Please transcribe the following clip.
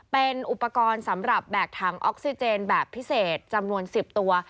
เป็นอุปกรณ์สำหรับแบกถังออกซิเจนแบบพิเศษจำนวน๑๐ตัว